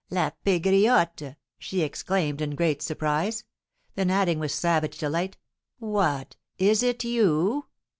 "La Pegriotte!" she exclaimed, in great surprise. Then adding with savage delight, "What, is it you?